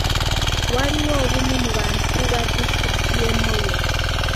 Waliwo obumu mu bantu ba disitulikiti y'e Moyo.